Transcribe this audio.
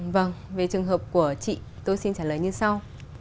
vâng về trường hợp của chị tôi xin trả lời như sau